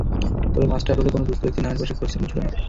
তবে মাস্টাররোলে কোনো দুস্থ ব্যক্তির নামের পাশে ক্রস চিহ্ন ছিল না।